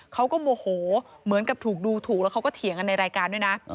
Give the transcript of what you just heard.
เขาก็โมโหเหมือนกับถูกดูถูกแล้วเขาก็เถียงกันในรายการด้วยนะ